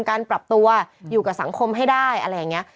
การปรับตัวอยู่กับสังคมให้ได้อะไรอย่างนี้